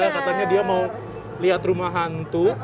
katanya dia mau lihat rumah hantu